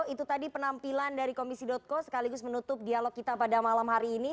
itu tadi penampilan dari komisi co sekaligus menutup dialog kita pada malam hari ini